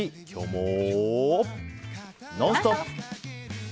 「ノンストップ！」。